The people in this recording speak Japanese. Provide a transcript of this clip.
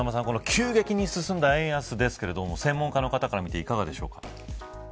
急激に進んだ円安ですけど専門家の方から見ていかがでしょうか。